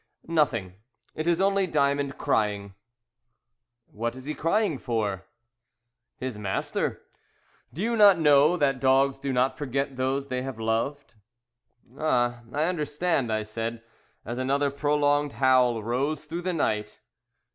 "Nothing, it is only Diamond crying." "What is he crying for?" "His master. Do you not know that dogs do not forget those they have loved?" "Ah, I understand," I said, as another prolonged howl rose through the night.